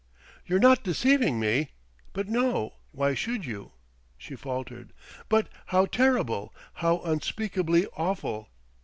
"You're not deceiving me? But no why should you?" she faltered. "But how terrible, how unspeakably awful!